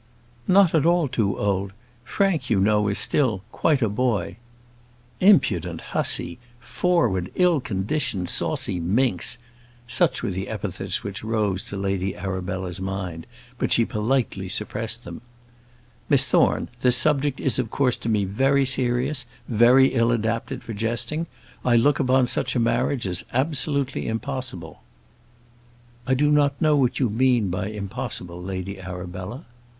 "Not at all too old; Frank, you know is 'still quite a boy.'" Impudent hussy! forward, ill conditioned saucy minx! such were the epithets which rose to Lady Arabella's mind; but she politely suppressed them. "Miss Thorne, this subject is of course to me very serious; very ill adapted for jesting. I look upon such a marriage as absolutely impossible." "I do not know what you mean by impossible, Lady Arabella."